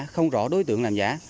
không rõ đối tượng làm giả